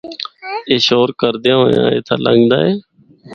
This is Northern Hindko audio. اے شور کردیاں ہویاں اِتھا لنگدا اے۔